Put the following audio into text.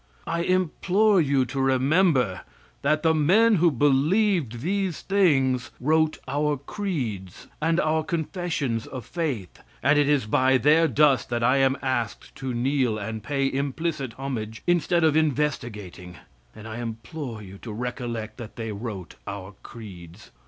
I implore you to remember that the men who believed these things wrote our creeds and our confessions of faith, and it is by their dust that I am asked to kneel and pay implicit homage, instead of investigating; and I implore you to recollect that they wrote our creeds.